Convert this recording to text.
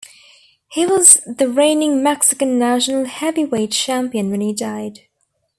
He was the reigning Mexican National Heavyweight Champion when he died.